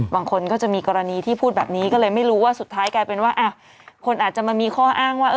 บางคนก็จะมีกรณีที่พูดแบบนี้ก็เลยไม่รู้ว่าสุดท้ายกลายเป็นว่าคนอาจจะมามีข้ออ้างว่า